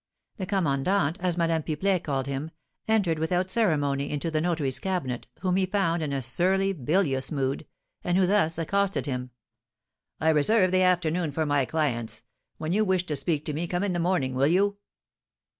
The commandant, as Madame Pipelet called him, entered without ceremony into the notary's cabinet, whom he found in a surly, bilious mood, and who thus accosted him: "I reserve the afternoon for my clients; when you wish to speak to me come in the morning, will you?"